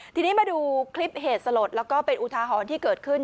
ทีนี้มาดูคลิปเหตุสลดแล้วก็เป็นอุทาหรณ์ที่เกิดขึ้น